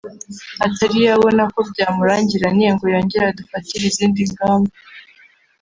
atari yabona ko byamurangiranye ngo yongere adufatire izindi ngamba